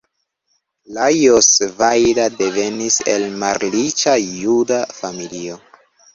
Lajos Vajda devenis el malriĉa juda familio.